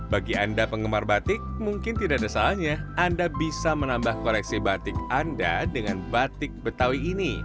bagi anda penggemar batik mungkin tidak ada salahnya anda bisa menambah koreksi batik anda dengan batik betawi ini